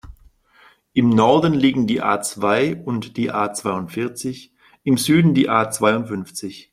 Im Norden liegen die A-zwei und die A-zweiundvierzig, im Süden die A-zweiundfünfzig.